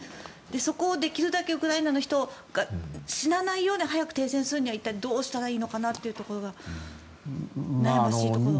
そこをできるだけウクライナの人が死なないように早く停戦するには一体、どうしたらいいのかなというのが悩ましいところ。